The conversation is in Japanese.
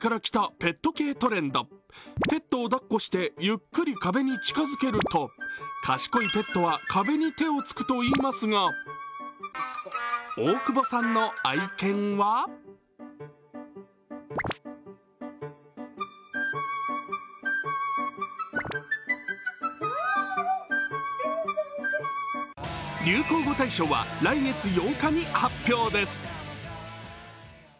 ペットをだっこしてゆっくり壁に近づけると賢いペットは壁に手をつくといいますが、大久保さんの愛犬は流行語大賞は来月８日に発表です。